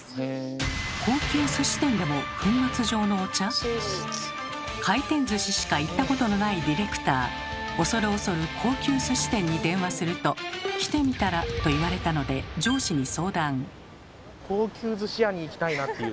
また回転寿司しか行ったことのないディレクター恐る恐る高級寿司店に電話すると「来てみたら？」と言われたので上司に相談。